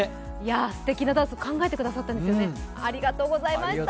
すてきなダンス、考えてくださったんですね、ありがとうございました。